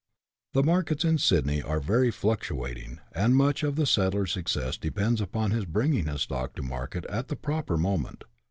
The markets in Sydney are very fluctuating, and much of the settler's success depends upon his bringing his stock to market at the proper moment.